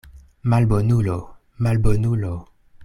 Malbonulo, malbonulo!